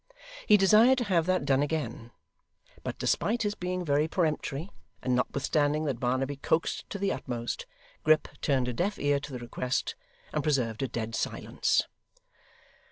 He desired to have that done again, but despite his being very peremptory, and notwithstanding that Barnaby coaxed to the utmost, Grip turned a deaf ear to the request, and preserved a dead silence.